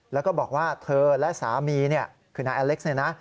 แล้วก็บอกว่าเธอและสามีคือนายอเล็กซ์เนี่ยนะ